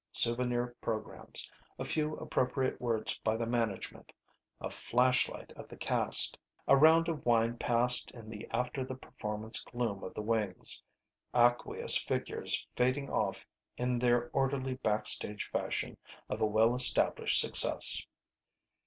Souvenir programs. A few appropriate words by the management. A flashlight of the cast. A round of wine passed in the after the performance gloom of the wings. Aqueous figures fading off in the orderly back stage fashion of a well established success.